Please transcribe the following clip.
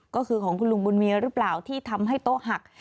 ก็คือของคุณลุงบุญเมียหรือเปล่าที่ทำให้โต๊ะหัก